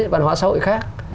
văn hóa xã hội khác